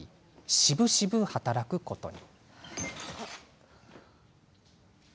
しぶしぶ働くことに。